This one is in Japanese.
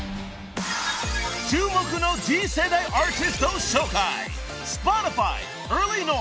［注目の次世代アーティストを紹介］